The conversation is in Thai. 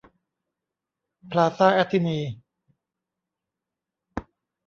พลาซ่าแอทธินี